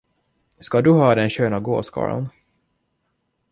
Ska du ha den sköna gåskarln?